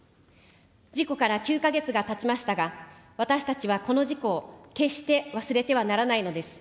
事故から９か月がたちましたが、私たちはこの事故を決して忘れてはならないのです。